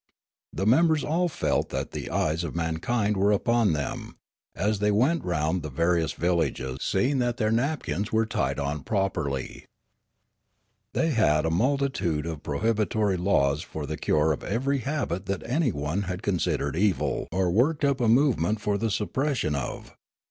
The members all felt that the eyes of mankind were upon them, as they went round the various villages seeing that their nap kins were tied on properly. The}' had a multitude of prohibitory laws for the cure of every habit that anyone had considered evil or worked up a movement for the suppression of.